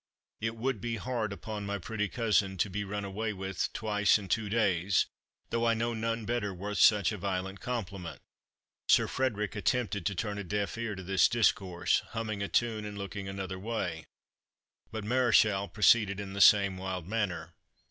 It would be hard upon my pretty cousin to be run away with twice in two days, though I know none better worth such a violent compliment." Sir Frederick attempted to turn a deaf ear to this discourse, humming a tune, and looking another may, but Mareschal proceeded in the same wild manner.